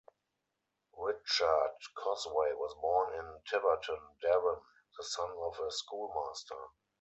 Richard Cosway was born in Tiverton, Devon, the son of a schoolmaster.